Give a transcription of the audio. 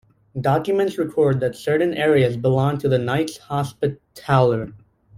Documents record that certain areas belonged to the Knights Hospitaller.